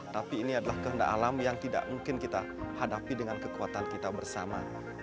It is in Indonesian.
tapi ini adalah kehendak alam yang tidak mungkin kita hadapi dengan kekuatan kita bersama